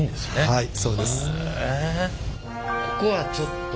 はい。